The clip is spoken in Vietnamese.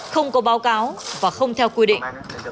không có báo cáo và không theo quy định